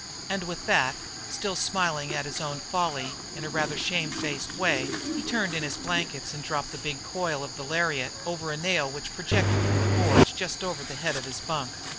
And with that, still smiling at his own folly in a rather shamefaced way, he turned in the blankets and dropped the big coil of the lariat over a nail which projected from the boards just over the head of his bunk.